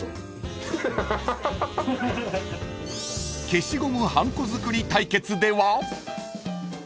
［消しゴムはんこ作り対決では］